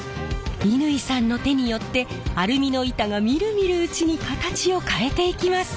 乾さんの手によってアルミの板がみるみるうちに形を変えていきます！